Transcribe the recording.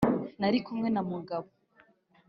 Nari kumwe na Mugabo.